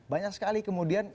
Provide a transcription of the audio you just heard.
banyak sekali kemudian